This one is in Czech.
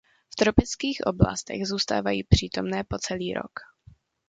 V tropických oblastech zůstávají přítomné po celý rok.